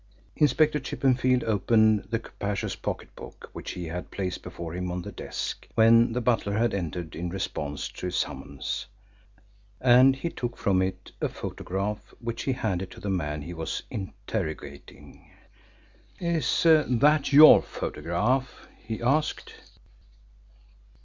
Inspector Chippenfield opened the capacious pocketbook which he had placed before him on the desk when the butler had entered in response to his summons, and he took from it a photograph which he handed to the man he was interrogating. "Is that your photograph?" he asked.